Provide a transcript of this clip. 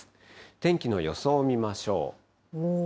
天気の予想を見ましょう。